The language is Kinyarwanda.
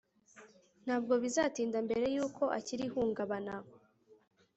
ntabwo bizatinda mbere yuko akira ihungabana